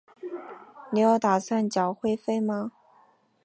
你有打算缴会费吗？